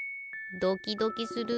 ドキドキする。